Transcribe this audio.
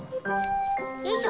よいしょ。